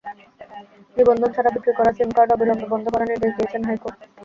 নিবন্ধন ছাড়া বিক্রি করা সিম কার্ড অবিলম্বে বন্ধ করার নির্দেশ দিয়েছেন হাইকোর্ট।